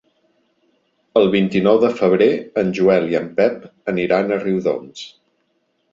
El vint-i-nou de febrer en Joel i en Pep aniran a Riudoms.